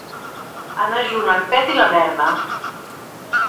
Anar junt el pet i la merda.